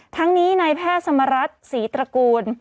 ทั้งนี้ในแพทย์สมรรทฯศรีตระกูล